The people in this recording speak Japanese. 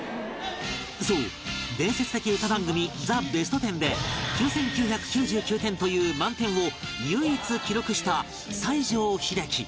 そう伝説的歌番組『ザ・ベストテン』で９９９９点という満点を唯一記録した西城秀樹